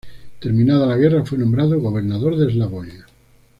Terminada la guerra, fue nombrado gobernador de Eslavonia.